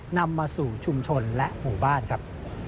นำมาสู่ชุมชนและหมู่บ้านครับ